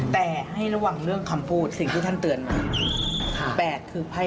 แต่ให้ระวังเรื่องคำพูดสิ่งที่ท่านเตือนมา